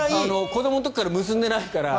子どもの時から結んでいないから。